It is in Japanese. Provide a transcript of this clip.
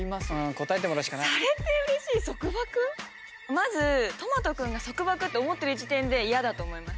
まずとまと君が束縛と思ってる時点で嫌だと思います。